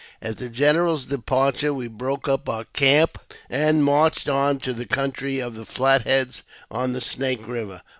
At the general's departure, we broke up our camp anc marched on to the country of the Flat Heads, on the Snake Biver.